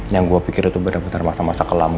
yang gue pikir itu bener bener masa masa kelam